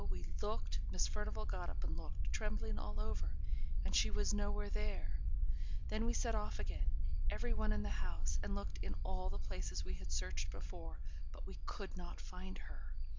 we looked Miss Furnivall got up and looked, trembling all over and she was nowhere there; then we set off again, every one in the house, and looked in all the places we had searched before, but we could not find her.